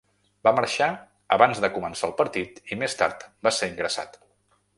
Va marxar abans de començar el partit i més tard va ser ingressat.